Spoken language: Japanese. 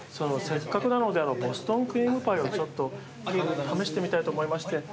せっかくなのでボストンクリームパイを試してみたいと思いまして。